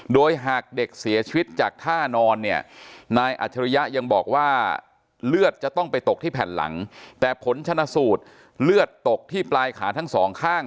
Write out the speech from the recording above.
โดยหากเด็กเสียชีวิตจากท่านอนเนี่ยนายอัจฉริยะยังบอกว่าเลือดจะต้องไปตกที่แผ่นหลังแต่ผลชนะสูตรเลือดตกที่ปลายขาทั้งสองข้าง